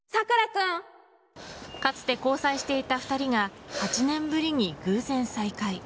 かつて交際していた２人が８年ぶりに偶然再会。